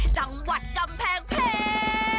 จังหวัดกำแพงเพชร